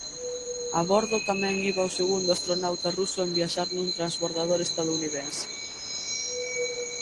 A bordo tamén iba o segundo astronauta ruso en viaxar nun transbordador estadounidense.